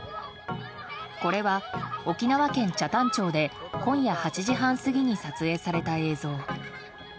これは沖縄県北谷町で今夜８時半過ぎに撮影された映像。